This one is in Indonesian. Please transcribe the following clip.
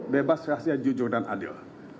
bebas rahasia jujur dan adil